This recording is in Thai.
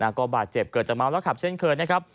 อุหารเจ็บเกิดเกิดจากเมาสุราคำ